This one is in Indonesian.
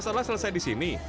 masalah selesai di sini